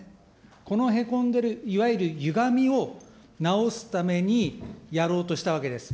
このへこんでる、いわゆるゆがみを直すために、やろうとしたわけです。